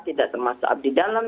tidak termasuk abdi dalam